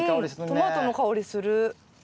トマトの香りする。